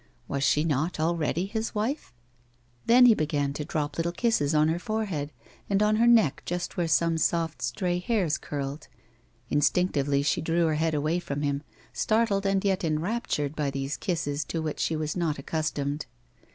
Was she not already his wife ? Then he began to drop little kisses on her forehead, and on her neck just where some soft, stray hairs curled ; in stinctively she drew her head away from him, startled and yet enraptured by these kisses to which she was not accustomed.